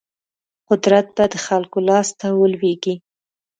قدرت به د خلکو لاس ته ولویږي.